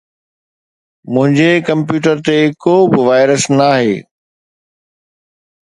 منهنجي ڪمپيوٽر تي ڪو به وائرس ناهي